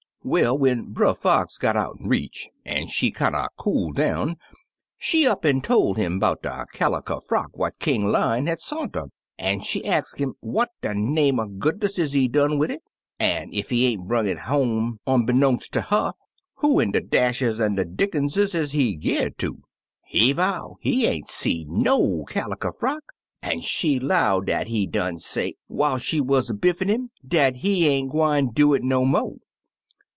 "Well, when Brer Fox got out'n reach, an' she'd kinder cooled down, she up an' tol' 'im bout de caliker frock what King Lion had sont 'er, an' she ax 'im what de name er goodness is he done wid it, an' ef he ain't brung it home onbeknownst ter her, who in de dashes an' de dickunses is he gi' it to ? He vow he ain't seed no caliker frock, an' she 'low dat he done say, whiles she wuz a biffin' 'im, dat he ain't gwine do it no mo'.